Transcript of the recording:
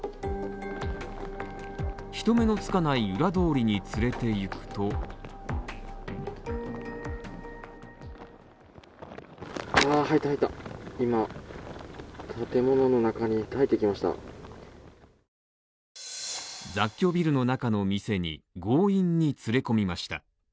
人目のつかない裏通りに連れて行くと雑居ビルの中の店に強引に連れ込みました。